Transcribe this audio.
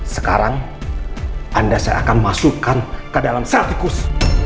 sekarang anda saya akan masukkan ke dalam sertikus